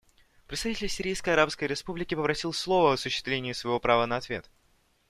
Представитель Сирийской Арабской Республики попросил слово в осуществлении своего права на ответ.